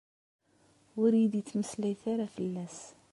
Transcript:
Ur iyi-d-ttmeslayet ara fell-as.